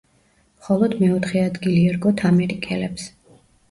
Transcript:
მხოლოდ მეოთხე ადგილი ერგოთ ამერიკელებს.